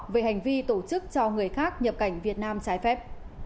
về hành vi tổ chức cho người khác nhập cảnh việt nam trái phép